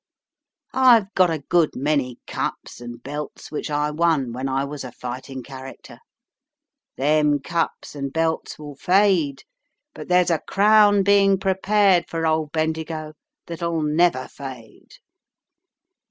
I've got a good many cups and belts which I won when I was a fighting character. Them cups and belts will fade, but there's a crown being prepared for old Bendigo that'll never fade."